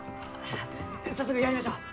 早速やりましょう！